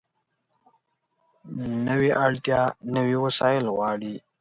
نوې اړتیا نوي وسایل غواړي